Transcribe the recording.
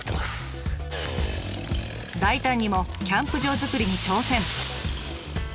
大胆にもキャンプ場づくりに挑戦！